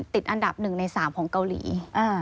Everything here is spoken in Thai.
ติดอันดับหนึ่งในสามของเกาหลีค่ะ